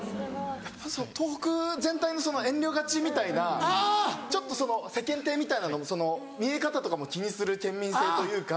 東北全体にその遠慮がちみたいなちょっとその世間体みたいな見え方とかも気にする県民性というか。